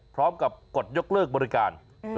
พร้อมกับกดยกเลิกบริการ